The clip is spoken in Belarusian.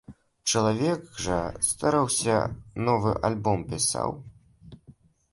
Чалавек жа стараўся, новы альбом пісаў?